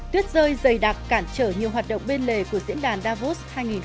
tuyết rơi dày đặc cản trở nhiều hoạt động bên lề của diễn đàn davos hai nghìn một mươi chín